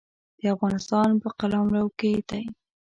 د افغانستان په قلمرو کې دی.